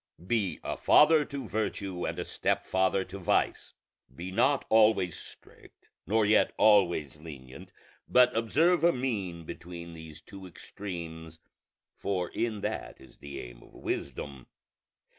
Be a father to virtue and a stepfather to vice. Be not always strict, nor yet always lenient, but observe a mean between these two extremes, for in that is the aim of wisdom.